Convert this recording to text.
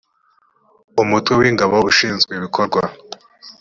umutwe w ingabo ushinzwe ibikorwa